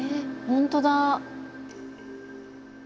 本当だ。